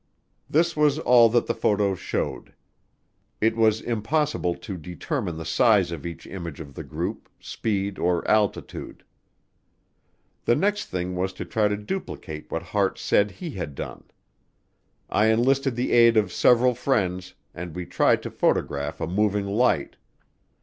This was all that the photos showed. It was impossible to determine the size of each image of the group, speed, or altitude. The next thing was to try to duplicate what Hart said he had done. I enlisted the aid of several friends and we tried to photograph a moving light.